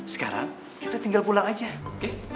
sekarang kita tinggal pulang aja deh